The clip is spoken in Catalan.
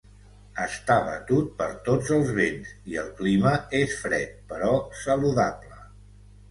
Està batut per tots els vents, i el clima és fred però saludable.